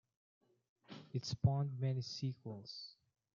It spawned many sequels.